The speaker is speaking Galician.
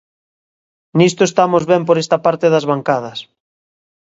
Nisto estamos ben por esta parte das bancadas.